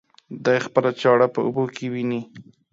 دى خپله چاړه په اوبو کې ويني.